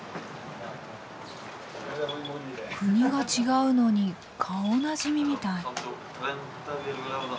国が違うのに顔なじみみたい。